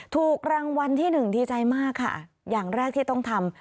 ถูกรางวัลที่หนึ่งดีใจมากค่ะอย่างแรกที่ต้องทำ